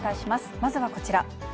まずはこちら。